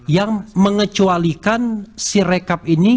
yang mengecualikan si rekap ini